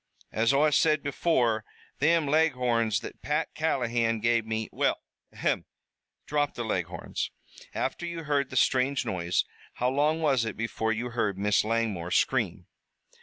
As Oi said before, thim Leghorns that Pat Callahan gave me " "We'll ahem! drop the Leghorns. After you heard the strange noise how long was it before you heard Miss Langmore scream?"